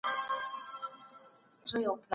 هغه د بدګومانۍ فضا نه خوښوله.